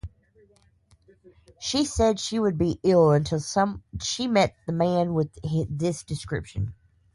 She said she would be ill until she met the man with this description.